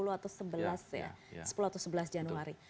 sepuluh atau sebelas ya sepuluh atau sebelas januari